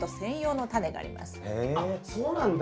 あっそうなんだ。